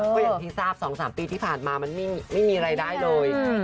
ก็อย่างที่ทราบ๒๓ปีที่ผ่านมามันไม่มีรายได้เลย